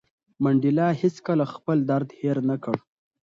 منډېلا هېڅکله خپل درد هېر نه کړ.